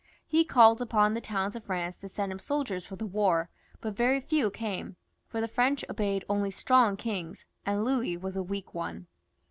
He called upon the towns of France to send him soldiers for the war; but very few came, for the French obeyed only strong kings, and Louis was a weak one.